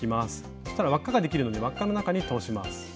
そしたら輪っかができるので輪っかの中に通します。